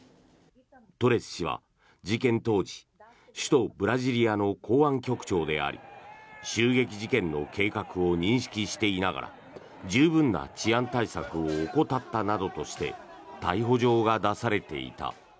トレス氏は事件当時首都ブラジリアの公安局長であり襲撃事件の計画を認識していながら十分な治安対策を怠ったなどとして逮捕状が出されていた。